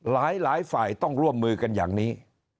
หลายฝ่ายต้องร่วมมือกันอย่างนี้